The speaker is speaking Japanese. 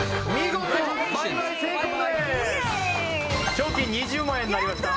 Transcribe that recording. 賞金２０万円になりました